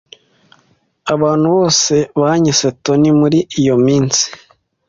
Abantu bose banyise Tony muri iyo minsi.